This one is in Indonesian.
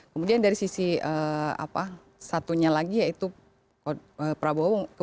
kemudian dari sisi satunya lagi yaitu prabowo kemungkinan akan dimana meningkatkan ekspor